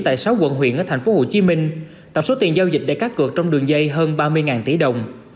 tại sáu quận huyện ở tp hcm tổng số tiền giao dịch để cắt cược trong đường dây hơn ba mươi tỷ đồng